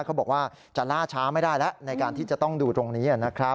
เขาบอกว่าจะล่าช้าไม่ได้แล้วในการที่จะต้องดูตรงนี้นะครับ